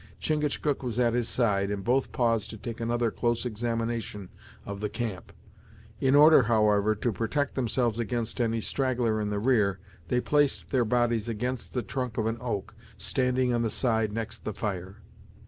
Chingachgook was at his side and both paused to take another close examination of the camp. In order, however, to protect themselves against any straggler in the rear, they placed their bodies against the trunk of an oak, standing on the side next the fire.